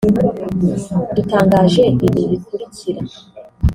dutangaje ibi bikurikira